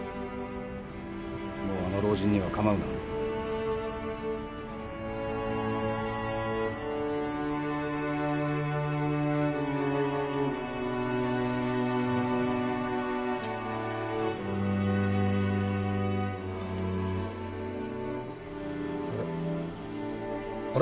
もうあの老人にはかまうなあれ？